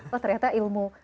wah ternyata ilmu